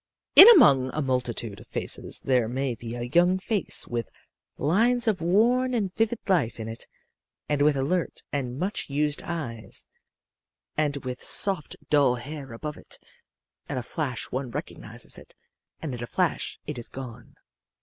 In among a multitude of faces there may be a young face with lines of worn and vivid life in it, and with alert and much used eyes, and with soft dull hair above it. In a flash one recognizes it, and in a flash it is gone.